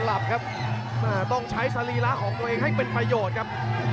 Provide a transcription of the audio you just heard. แล้วก็พาท่านผู้ชมกลับติดตามความมันกันต่อครับ